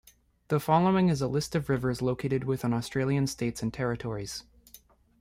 The following is a list of rivers located within Australian states and territories.